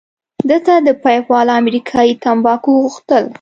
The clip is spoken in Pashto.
ده د پیپ والا امریکايي تمباکو غوښتل.